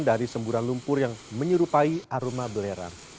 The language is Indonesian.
dari semburan lumpur yang menyerupai aroma belerang